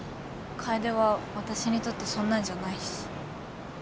楓は私にとってそんなんじゃないし。